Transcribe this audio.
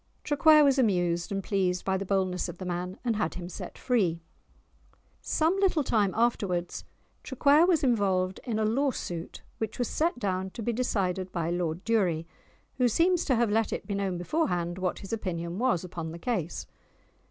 Traquair was amused and pleased by the boldness of the man, and had him set free. Some little time afterwards Traquair was involved in a law suit which was set down to be decided by Lord Durie, who seems to have let it be known before hand what his opinion was upon the case.